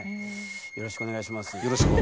よろしくお願いします。